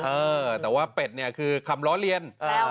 เออแต่ว่าเป็ดเนี่ยคือคำล้อเลียน